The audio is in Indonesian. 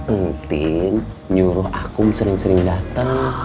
entin nyuruh aku sering sering datang